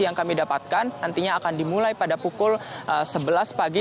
yang kami dapatkan nantinya akan dimulai pada pukul sebelas pagi